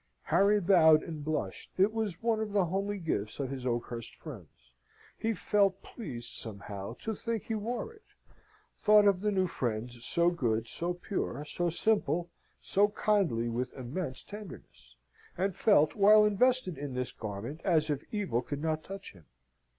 Harry bowed and blushed. It was one of the homely gifts of his Oakhurst friends. He felt pleased somehow to think he wore it; thought of the new friends, so good, so pure, so simple, so kindly, with immense tenderness, and felt, while invested in this garment, as if evil could not touch him.